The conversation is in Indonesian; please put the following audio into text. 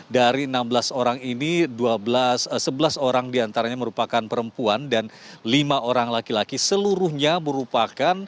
dari enam belas orang ini sebelas orang diantaranya merupakan perempuan dan lima orang laki laki seluruhnya merupakan